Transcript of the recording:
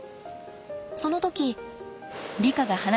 その時。